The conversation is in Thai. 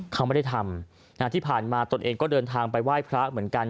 เขาไม่ได้ทำที่ผ่านมาตนเองก็เดินทางไปไหว้พระเหมือนกัน